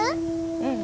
うん。